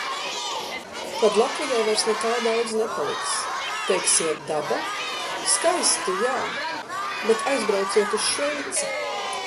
Tad Latvijai vairs nekā daudz nepaliks... Teiksiet daba? Skaisti jā, bet aizbrauciet uz Šveici.